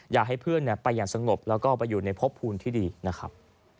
อยากให้เพื่อนไปอย่างสงบแล้วก็ไปอยู่ในพบภูมิที่ดีนะครับ